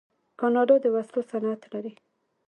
کاناډا د وسلو صنعت لري.